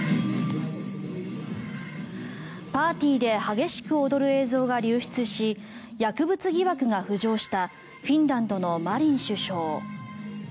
パーティーで激しく踊る映像が流出し薬物疑惑が浮上したフィンランドのマリン首相。